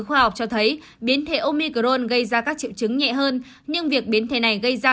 khoa học cho thấy biến thể omicron gây ra các triệu chứng nhẹ hơn nhưng việc biến thể này gây ra